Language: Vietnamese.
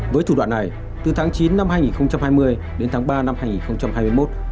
với thủ đoạn này từ tháng chín năm hai nghìn hai mươi đến tháng ba năm hai nghìn hai mươi một